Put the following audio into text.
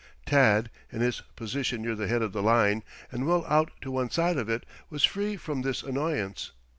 Tad, in his position near the head of the line, and well out to one side of it, was free from this annoyance.